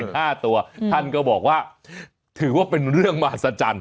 ห้าตัวท่านก็บอกว่าถือว่าเป็นเรื่องมหัศจรรย์